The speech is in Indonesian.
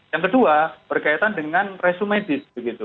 yang kedua berkaitan dengan resumen bis begitu